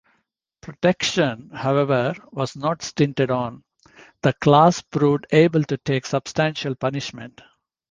Protection, however, was not stinted on; the class proved able to take substantial punishment.